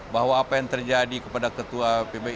bahwa apa yang terjadi kepada ketua pbin itu itu akan dihormati